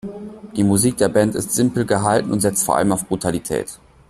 Die Musik der Band ist simpel gehalten und setzt vor allem auf Brutalität.